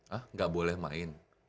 hah gak boleh main